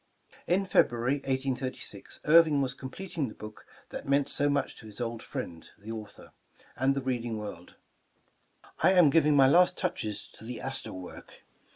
In February, 1836, Irving was completing the book that meant so much to his old friend, the author, and the reading world. "I am giving my last touches to the Astor work.